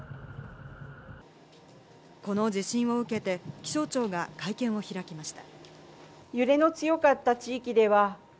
この地震を受けて、気象庁が会見を開きました。